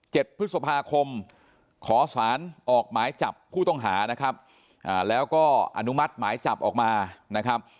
พฤษภาคมขอสารออกหมายจับผู้ต้องหานะครับอ่าแล้วก็อนุมัติหมายจับออกมานะครับ